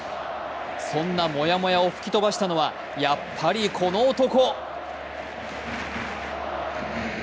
そんなモヤモヤを吹き飛ばしたのはやっぱりこの男。